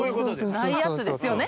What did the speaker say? ないやつですよね！